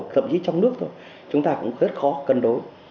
thậm chí trong nước thôi chúng ta cũng rất khó cân đối